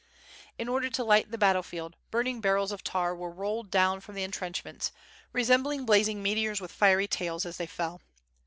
In order to light the battle field, burning barrels of tar were rolled down from the en trenchments, resembling blazing meteors with fiery tails, as they fell.